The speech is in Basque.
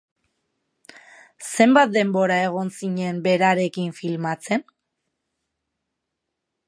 Zenbat denbora egon zinen berarekin filmatzen?